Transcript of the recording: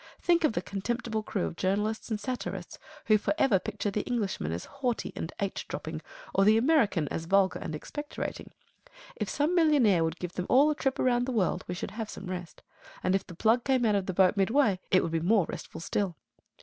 Think of the contemptible crew of journalists and satirists who for ever picture the Englishman as haughty and h dropping, or the American as vulgar and expectorating. If some millionaire would give them all a trip round the world we should have some rest and if the plug came out of the boat midway it would be more restful still.